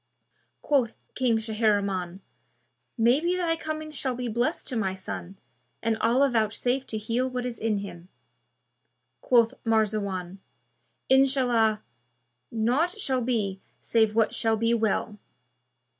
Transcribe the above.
Quoth King Shahriman, "Maybe thy coming shall be blessed to my son and Allah vouchsafe to heal what is in him." Quoth Marzawan, "Inshallah, naught shall be save what shall be well!"